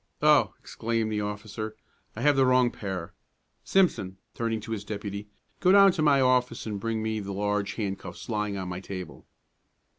"Oh!" exclaimed the officer, "I have the wrong pair. Simpson," turning to his deputy, "go down to my office and bring me the large handcuffs lying on my table."